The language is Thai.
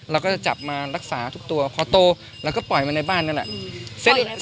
เราก็จะจับมารักษาทุกตัวพอโตเราก็ปล่อยมาในบ้านนั่นแหละ